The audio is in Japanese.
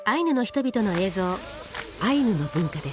アイヌの文化です。